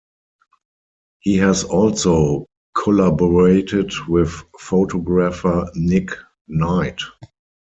He has also collaborated with photographer Nick Knight.